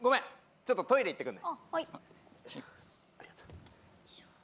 ちょっとトイレ行ってくるね。